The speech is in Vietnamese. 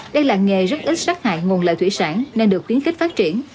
đây là nghề rất ít sát hại nguồn lợi thủy sản nên được khuyến khích phát triển